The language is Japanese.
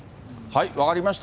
分かりました。